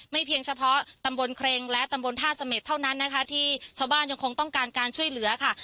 เพียงเฉพาะตำบลเครงและตำบลท่าเสม็ดเท่านั้นนะคะที่ชาวบ้านยังคงต้องการการช่วยเหลือค่ะ